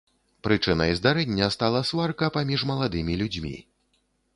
Прычынай здарэння стала сварка паміж маладымі людзьмі.